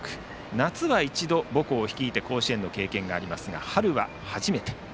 夏は一度、母校を率いて甲子園の経験がありますが春は初めて。